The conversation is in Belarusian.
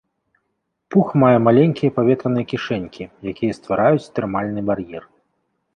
Пух мае маленькія паветраныя кішэнькі, якія ствараюць тэрмальны бар'ер.